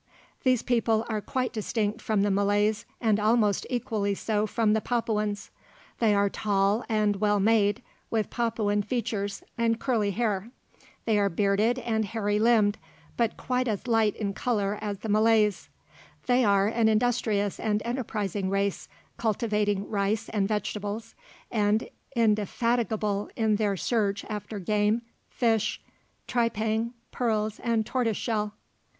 These people are quite distinct from the Malays, and almost equally so from the Papuans. They are tall and well made, with Papuan features, and curly hair; they are bearded and hairy limbed, but quite as light in colour as the Malays. They are an industrious and enterprising race, cultivating rice and vegetables, and indefatigable in their search after game, fish, tripang, pearls, and tortoiseshell.